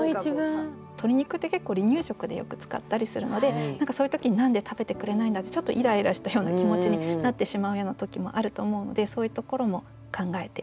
鶏肉って結構離乳食でよく使ったりするので何かそういう時に何で食べてくれないんだってちょっとイライラしたような気持ちになってしまうような時もあると思うのでそういうところも考えて作りました。